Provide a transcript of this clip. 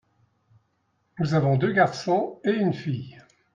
Nous avons deux garçons et une fille.